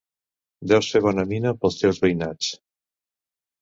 Deus fer bona mina pels teus veïnats.